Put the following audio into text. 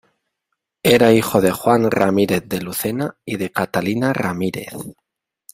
Era hijo de Juan Ramírez de Lucena y de Catalina Ramírez.